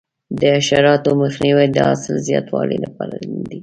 د حشراتو مخنیوی د حاصل د زیاتوالي لپاره اړین دی.